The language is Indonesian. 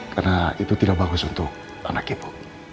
karena itu tidak bagus untuk anak ibu